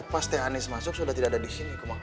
pas teh anies masuk sudah tidak ada di sini